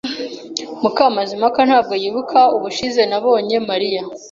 Mukamazimpaka ntabwo yibuka ubushize nabonye Mariya.